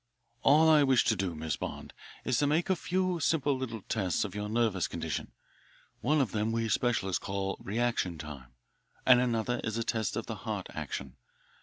"All I wish to do, Miss Bond, is to make a few, simple little tests of your nervous condition. One of them we specialists call reaction time, and another is a test of heart action.